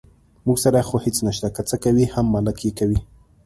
موږ سره خو هېڅ نشته، که څه کوي هم ملک یې کوي.